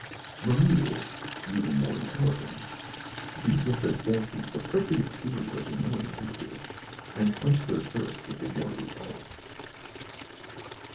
The Mules, using more intelligence, beat with their fore feet the prickly exterior of the melon cactus and quench their thirst with the watery pulp.